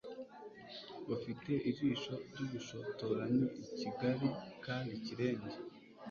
Ufite ijisho ryubushotoranyi ikigali kandi kirenge